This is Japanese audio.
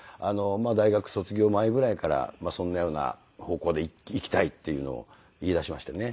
大学卒業前ぐらいからそんなような方向でいきたいっていうのを言いだしましてね。